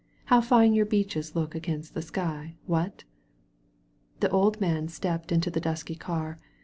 How fine your beeches look against the sky. What?" The old man stepped into the dusky car.